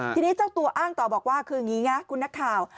ทีนี้เจ้าตัวบอกต่อว่างี้ไงคุณหนักข่าว